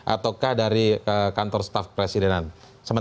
ataukah dari kantor staf presidenan